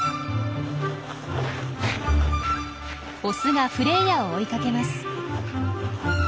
オスがフレイヤを追いかけます。